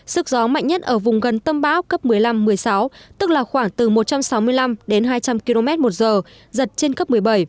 sức gió mạnh nhất ở vùng gần tâm bão cấp một mươi năm một mươi sáu tức là khoảng từ một trăm sáu mươi năm đến hai trăm linh km một giờ giật trên cấp một mươi bảy